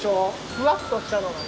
ふわっとしたのがね。